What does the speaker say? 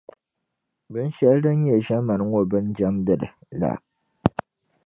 binshɛli din nyɛ ʒiɛmani ŋɔ bin’ jɛmdili la.